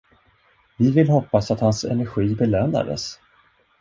Vi vill hoppas att hans energi belönades.